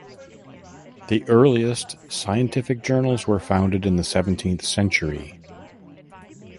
The earliest scientific journals were founded in the seventeenth century.